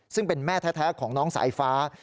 ซึ่งเป็นแม่แท้ของน้องสายฟ้า